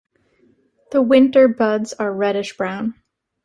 The winter buds are reddish brown.